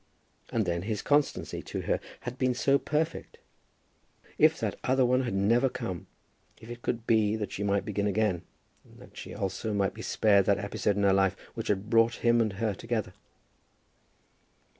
And then his constancy to her had been so perfect! If that other one had never come! If it could be that she might begin again, and that she might be spared that episode in her life which had brought him and her together!